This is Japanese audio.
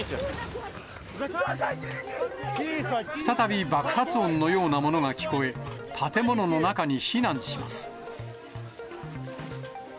再び爆発音のようなものが聞こえ、建物の中に避難します。